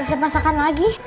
reset masakan lagi